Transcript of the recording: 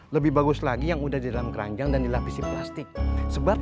lebih bagus lagi yang udah di dalam keranjang dan dilapisi plastik